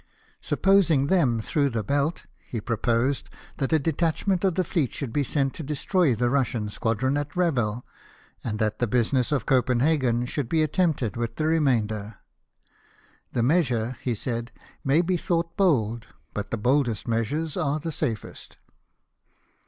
Supposing them through the Belt, he proposed that a detachment of the fleet should be sent to destroy the Russian squadron at Revel, and that the business of Copenhagen should be attempted with the re mainder. " The measure," he said, " may be thought bold, but the boldest measures are the safest."